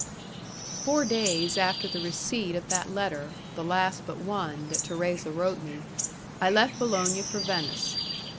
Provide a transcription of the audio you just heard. Four days after the receipt of that letter, the last but one that Thérèse wrote me, I left Bologna for Venice.